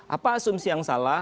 apa asumsi yang salah